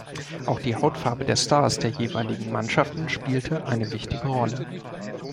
Auch die Hautfarbe der Stars der jeweiligen Mannschaften spielte eine wichtige Rolle.